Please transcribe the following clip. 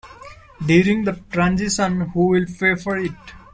During the transition, who will pay for it?